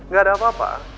gak ada apa apa